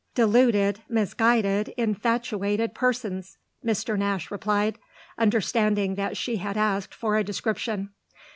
"Deluded, misguided, infatuated persons!" Mr. Nash replied, understanding that she had asked for a description.